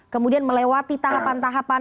kemudian melewati tahapan tahapan